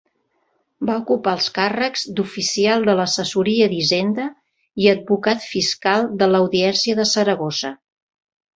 Va ocupar els càrrecs d'oficial de l'Assessoria d'Hisenda i advocat fiscal de l'Audiència de Saragossa.